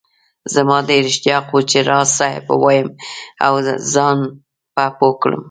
زما ډېر اشتياق وو چي راز صاحب ووايم او زان په پوهه کړم